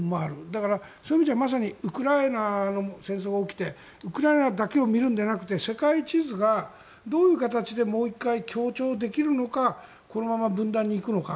だから、そういう意味じゃまさにウクライナで戦争が起きてウクライナだけを見るのではなくて世界地図がどういう形でもう１回、協調できるのかこのまま分断に行くのか